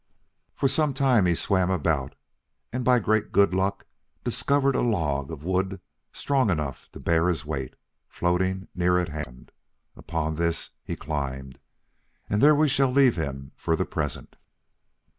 For some time he swam about, and by great good luck discovered a log of wood strong enough to bear his weight, floating near at hand. Upon this he climbed, and there we shall leave him for the present.